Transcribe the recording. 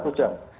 selama satu jam